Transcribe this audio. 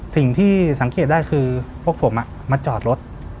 สิ่งที่สังเกตได้คือพวกผมมาจอดรถ